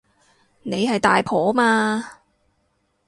你係大婆嘛